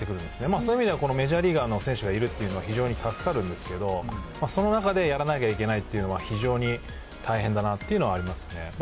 そういう意味では、メジャーリーガーの選手がいるっていうのは非常に助かるんですけど、その中でやらなきゃいけないっていうのは、非常に大変だなっていうのはありますね。